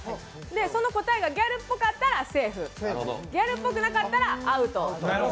その答えがギャルっぽかったらセーフ、ギャルっぽくなかったらアウト。